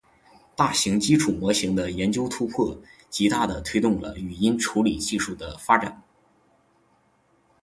大型基础模型的研究突破，极大地推动了语音处理技术的发展。